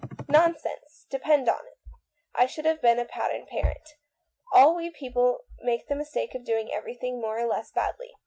"Nonsense! Depend upon it, I should have been a pattern parent. All we people make the mistake of doing everything more or less badly.